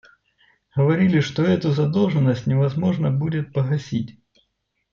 Говорили, что эту задолженность невозможно будет погасить.